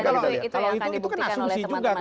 kalau itu kan asumsi juga